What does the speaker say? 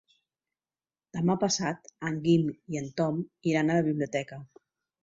Demà passat en Guim i en Tom iran a la biblioteca.